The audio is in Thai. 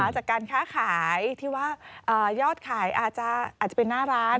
จากการค้าขายที่ว่ายอดขายอาจจะเป็นหน้าร้าน